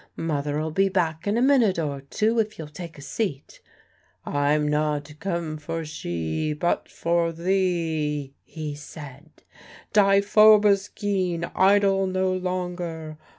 Mother'll be back in a minute or two if you'll take a seat.'" "I'm not come for she, but for thee," he said; "Deiphobus Geen, idle no longer.